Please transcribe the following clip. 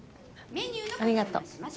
ありがとう。